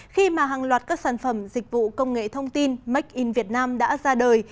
khi mà hàng loạt các sản phẩm dịch vụ công nghệ thông tin make in việt nam đã ra đời